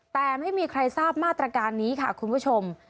แต่ไม่มีใครทราบมาตรการนี้ค่ะคุณผู้ชม